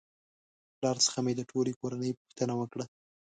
پلار څخه مې د ټولې کورنۍ پوښتنه وکړه